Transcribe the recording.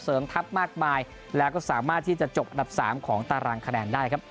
ทัพมากมายแล้วก็สามารถที่จะจบอันดับสามของตารางคะแนนได้ครับ